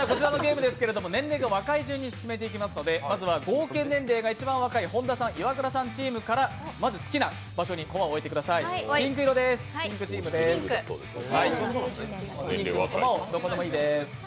年齢が若い順に進めていきますので、まずは合計年齢が一番若い本田さん・イワクラさんチームからまず好きな場所にコマを置いてくださいピンク色です、ピンクのコマ、どこでもいいです。